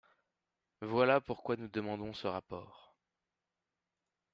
Voilà pourquoi nous demandons ce rapport.